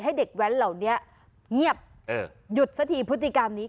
ให้เด็กแว้นเหล่านี้เงียบหยุดสักทีพฤติกรรมนี้